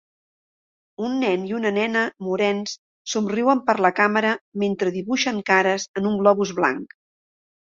Un nen i una nena morens somriuen per la càmera mentre dibuixen cares en un globus blanc.